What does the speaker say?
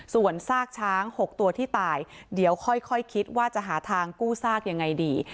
ส่วนซากช้าง๖ตัวที่ตายเดี๋ยวค่อยคิดว่าจะหาทางกู้ซากยังไงดี